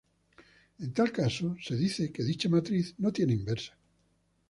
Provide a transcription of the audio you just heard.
En tal caso se dice que dicha matriz no tiene inversa.